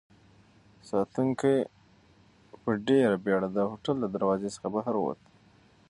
ساتونکی په ډېرې بېړه د هوټل له دروازې څخه بهر ووت.